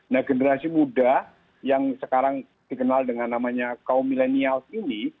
nah generasi muda yang sekarang dikenal dengan namanya kaum milenials ini